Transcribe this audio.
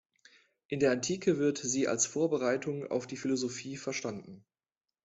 In der Antike wird sie als Vorbereitung auf die Philosophie verstanden.